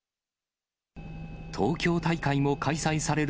東京大会も開催される